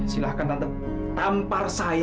silahkan tante tampar saya